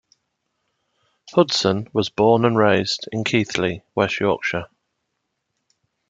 Hudson was born and raised in Keighley, West Yorkshire.